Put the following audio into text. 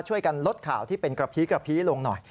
ช่วยกันลดข่าวที่เป็นกระพีกระพีลงหน่อย